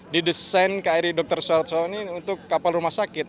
didesain kri dr suharto ini untuk kapal rumah sakit